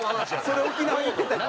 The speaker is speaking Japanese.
それ沖縄で言ってたよ。